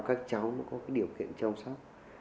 các cháu có điều kiện chăm sóc